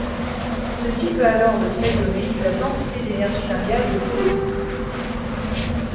Ceci peut alors de fait donner la densité d'énergie d'un gaz de photons.